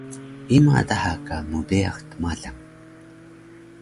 Ima daha ka mbeyax tmalang?